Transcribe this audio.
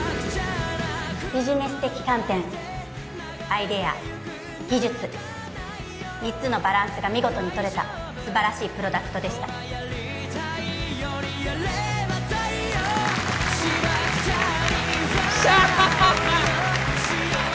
ビジネス的観点アイデア技術３つのバランスが見事にとれた素晴らしいプロダクトでしたしゃー！